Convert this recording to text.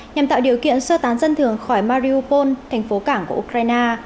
nhằm tạo điều kiện sơ tán dân thường khỏi mariopol thành phố cảng của ukraine